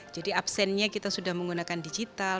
jadi absennya kita sudah menggunakan digital